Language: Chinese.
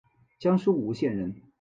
江苏吴县人。